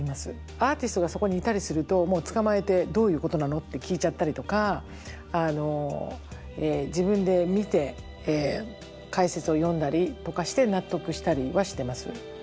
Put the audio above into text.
アーティストがそこにいたりするともうつかまえて「どういうことなの？」って聞いちゃったりとか自分で見て解説を読んだりとかして納得したりはしてます。